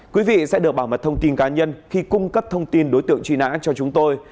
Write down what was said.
quý vị sẽ được bảo mật thông tin cá nhân khi cung cấp thông tin đối tượng truy nã cho chúng tôi